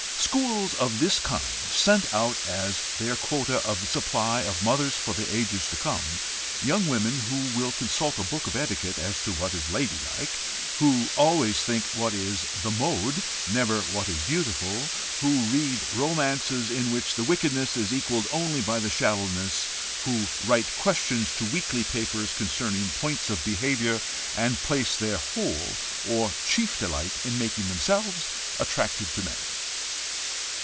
Schools of this kind send out, as their quota of the supply of mothers for the ages to come, young women who will consult a book of etiquette as to what is ladylike; who always think what is the mode, never what is beautiful; who read romances in which the wickedness is equalled only by the shallowness; who write questions to weekly papers concerning points of behaviour, and place their whole, or chief delight in making themselves attractive to men.